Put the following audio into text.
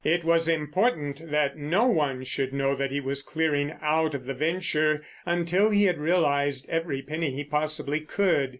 It was important that no one should know that he was clearing out of the venture until he had realised every penny he possibly could.